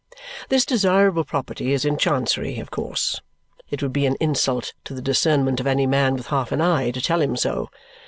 This desirable property is in Chancery, of course. It would be an insult to the discernment of any man with half an eye to tell him so.